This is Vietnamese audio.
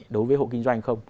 đối với hộ kinh doanh không